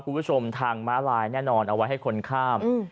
คุณผู้ชมทางม้าลายแน่นอนเอาไว้ให้คนข้าม